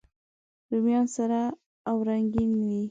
رومیان سره او رنګین وي